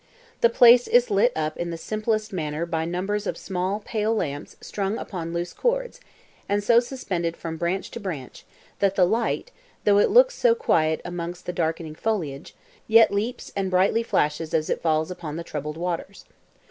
The place is lit up in the simplest manner by numbers of small pale lamps strung upon loose cords, and so suspended from branch to branch, that the light, though it looks so quiet amongst the darkening foliage, yet leaps and brightly flashes as it falls upon the troubled waters.